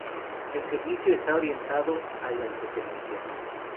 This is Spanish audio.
El servicio está orientado al autoservicio.